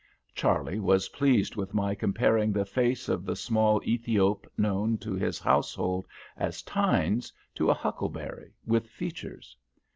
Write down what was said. Charley was pleased with my comparing the face of the small Ethiop known to his household as "Tines" to a huckleberry with features.